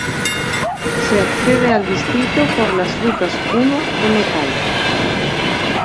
Se accede al distrito por las rutas I "Mcal.